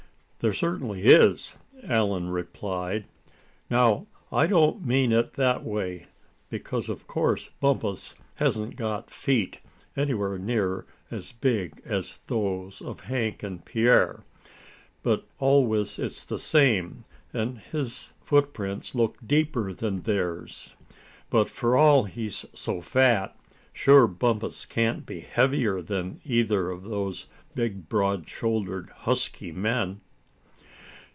"There certainly is," Allan replied. "Now, I don't mean it that way, because of course Bumpus hasn't got feet anywhere near as big as those of Hank and Pierre. But always it's the same, and his footprints look deeper than theirs. But for all he's so fat, sure Bumpus can't be heavier than either of those big broad shouldered husky men?"